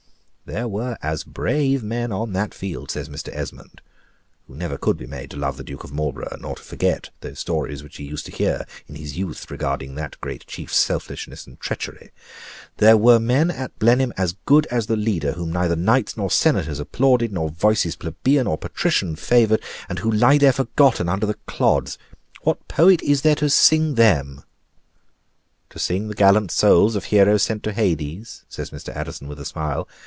'" "There were as brave men on that field," says Mr. Esmond (who never could be made to love the Duke of Marlborough, nor to forget those stories which he used to hear in his youth regarding that great chiefs selfishness and treachery) "there were men at Blenheim as good as the leader, whom neither knights nor senators applauded, nor voices plebeian or patrician favored, and who lie there forgotten, under the clods. What poet is there to sing them?" "To sing the gallant souls of heroes sent to Hades!" says Mr. Addison, with a smile.